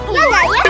ya gak ya kak